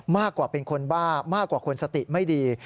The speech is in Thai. มากกว่าเป็นคนบ้ามากกว่าคนสติไม่ดี